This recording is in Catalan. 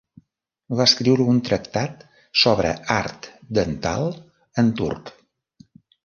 Va escriure un tractat sobre art dental en turc.